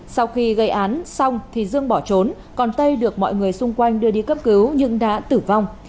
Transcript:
sau khi gây án xong thì dương bỏ trốn còn tây được mọi người xung quanh đưa đi cấp cứu nhưng đã tử vong